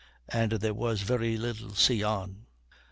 and there was very little sea on.